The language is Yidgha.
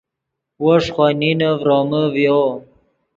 وو ݰے خوئے نینے ڤرومے ڤیو